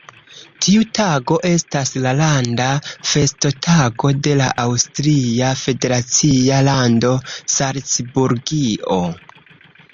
Tiu tago estas la landa festotago de la aŭstria federacia lando Salcburgio.